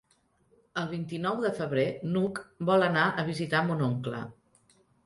El vint-i-nou de febrer n'Hug vol anar a visitar mon oncle.